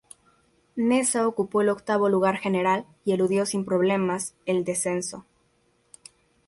Neza ocupó el octavo lugar general y eludió sin problemas el descenso.